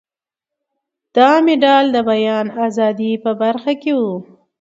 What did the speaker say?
دا مډال د بیان ازادۍ په برخه کې و.